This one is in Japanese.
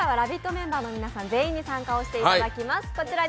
メンバー全員に参加していただきます。